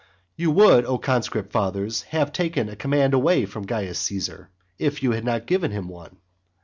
You would, O conscript fathers, have taken a command away from Caius Caesar, if you had not given him one.